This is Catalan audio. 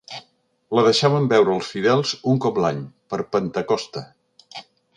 La deixaven veure als fidels un cop l'any, per Pentecosta.